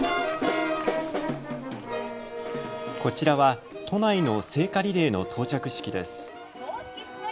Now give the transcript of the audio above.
こちらは都内の聖火リレーの到着式です。